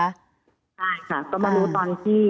ใช่ค่ะก็มารู้ตอนที่